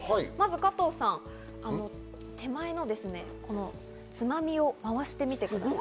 加藤さん、手前のつまみをまわしてみてください。